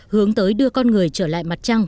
hướng tới đưa con người trở lại mặt trăng